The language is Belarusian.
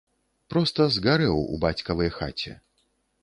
Проста згарэў у бацькавай хаце.